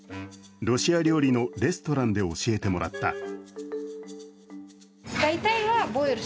ロシア料理のレストランで教えてもらった。